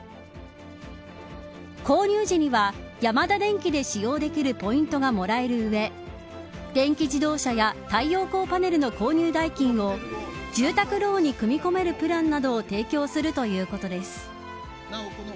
購入時には、ヤマダデンキで使用できるポイントがもらえる上電気自動車や太陽光パネルの購入代金を住宅ローンに組み込めるプランなどを提供するということです。